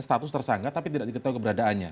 status tersangka tapi tidak diketahui keberadaannya